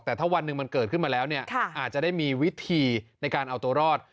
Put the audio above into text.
แต่ถ้าวันหนึ่งมันเกิดขึ้นมาแล้วเนี่ยอาจจะได้มีวิธีในการเอาตัวรอด